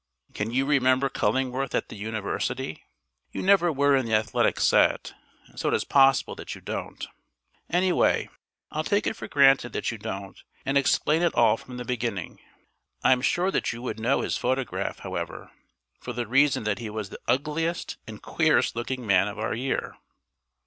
Can you remember Cullingworth at the University? You never were in the athletic set, and so it is possible that you don't. Anyway, I'll take it for granted that you don't, and explain it all from the beginning. I'm sure that you would know his photograph, however, for the reason that he was the ugliest and queerest looking man of our year.